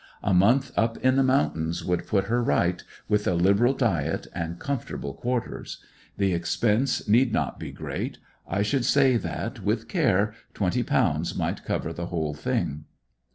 A month up in the mountains would put her right, with a liberal diet, and comfortable quarters. The expense need not be great. I should say that, with care, twenty pounds might cover the whole thing."